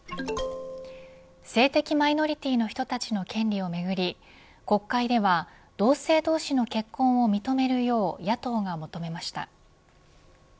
性的マイノリティーの人たちの権利をめぐり国会では同性同士の結婚を認めるよう、野党が求めました。